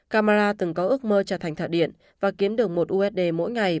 camara từng có ước mơ trở thành thợ điện và kiếm được một usd mỗi ngày